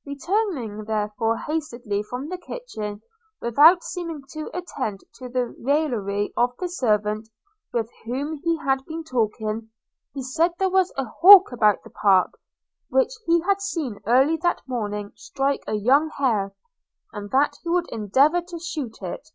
– Retiring therefore hastily from the kitchen, without seeming to attend to the raillery of the servant with whom he had been talking, he said there was a hawk about the park, which he had seen early that morning strike a young hare; and that he would endeavor to shoot it.